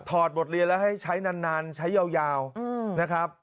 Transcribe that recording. บทเรียนแล้วให้ใช้นานใช้ยาวนะครับ